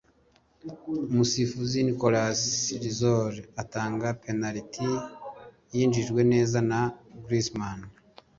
umusifuzi Nicolas Rizoli atanga penaliti yinjijwe neza na Griezman